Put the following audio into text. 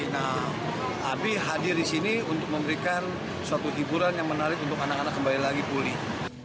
nah abi hadir di sini untuk memberikan suatu hiburan yang menarik untuk anak anak kembali lagi pulih